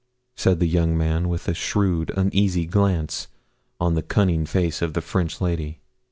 said the young man, with a shrewd uneasy glance on the cunning face of the French lady.